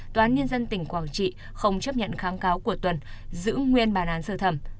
toán nhân dân tỉnh quảng trị không chấp nhận kháng cáo của tuân giữ nguyên bàn án sơ thầm